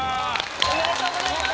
おめでとうございます。